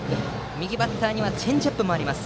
右バッターにはチェンジアップもあります。